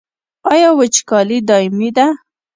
آیا وچکالي دایمي ده؟